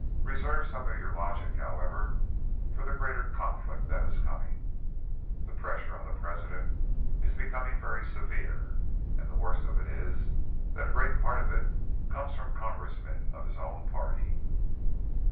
Reserve some of your logic, however, for the greater conflict that is coming. The pressure on the President is becoming very severe, and the worst of it is that a great part of it comes from Congressmen of his own party."